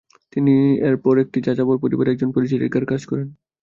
তিনি এরপর একটি যাযাবর পরিবারে একজন পরিচারিকার কাজ করেন।